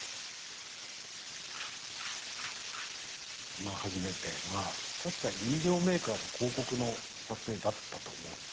まあ初めてまあ確か飲料メーカーの広告の撮影だったと思うんです。